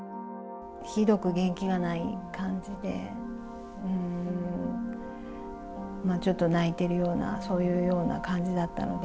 ひどく元気がない感じで、うーん、ちょっと泣いてるような、そういうような感じだったので。